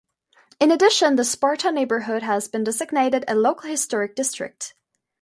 In addition, the Sparta neighborhood has been designated a local historic district.